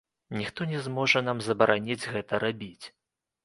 Ніхто не зможа нам забараніць гэта рабіць.